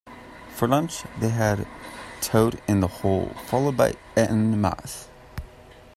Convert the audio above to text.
For lunch, they had toad-in-the-hole followed by Eton mess